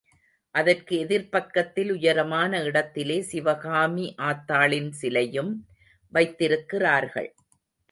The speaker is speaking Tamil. அதற்கு எதிர்ப் பக்கத்தில் உயரமான இடத்திலே சிவகாமி ஆத்தாளின் சிலையும் வைத்திருக்கிறார்கள்.